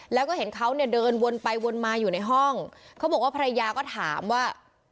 แล้วก็เห็นเขาเนี่ยเดินวนไปวนมาอยู่ในห้องเขาบอกว่าภรรยาก็ถามว่า